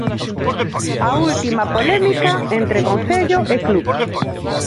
A última polémica entre Concello e club.